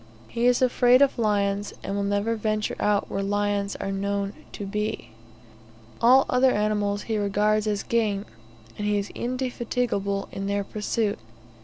He is afraid of lions, and will never venture out where lions are known to be. All other animals he regards as game, and is indefatigable in their pursuit.